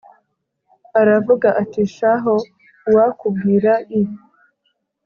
aravuga ati shahu uwakubwira i